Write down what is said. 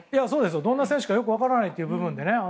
どんな選手かよく分からないという部分でね。